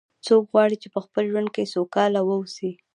څوک غواړي چې په خپل ژوند کې سوکاله و اوسي